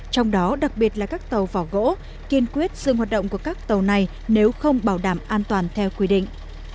trong đó đặc biệt là các tàu vỏ gỗ kiên quyết dừng hoạt động của các tàu này nếu không bảo đảm an toàn theo quy định